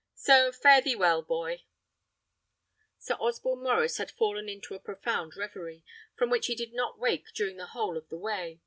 So, fare thee well, boy." Sir Osborne Maurice had fallen into a profound reverie, from which he did not wake during the whole of the way.